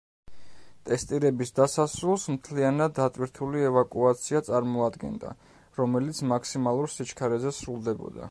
ტესტირების დასასრულს მთლიანად დატვირთული ევაკუაცია წარმოადგენდა, რომელიც მაქსიმალურ სიჩქარეზე სრულდებოდა.